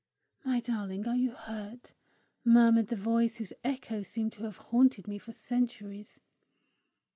"My darling! Are you hurt?" murmured the voice whose echoes seemed to have haunted me for centuries.